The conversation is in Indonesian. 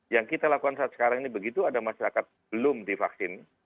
yang kita lakukan saat sekarang ini begitu ada masyarakat belum divaksin